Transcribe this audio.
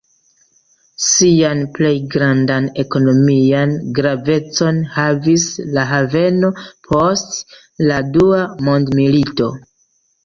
Sian plej grandan ekonomian gravecon havis la haveno post la Dua Mondmilito.